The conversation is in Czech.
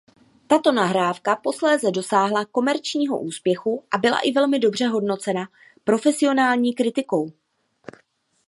Tato nahrávka posléze dosáhla komerčního úspěchu a byla i velmi dobře hodnocena profesionální kritikou.